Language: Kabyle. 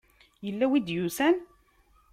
Yella win i d-yusan?